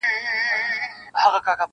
د ماهر فنکار د لاس مجسمه وه-